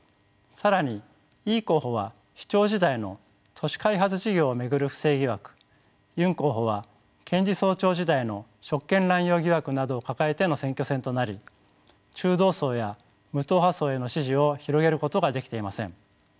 更にイ候補は市長時代の都市開発事業を巡る不正疑惑ユン候補は検事総長時代の職権乱用疑惑などを抱えての選挙戦となり中道層や無党派層への支持を広げることができていません。